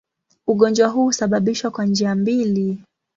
Ugonjwa huu husababishwa kwa njia mbili.